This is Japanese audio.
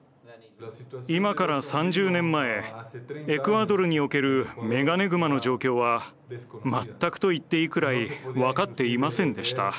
今から３０年前エクアドルにおけるメガネグマの状況はまったくと言っていいくらい分かっていませんでした。